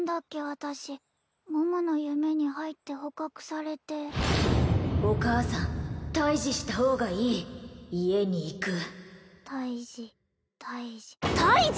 私桃の夢に入って捕獲されてお母さんタイジした方がいい家に行くタイジタイジ退治！？